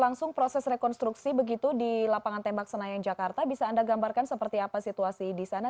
anggota dpr bapak suding